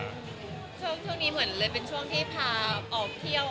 ช่วงนี้เหมือนเลยเป็นช่วงที่พาออกเที่ยว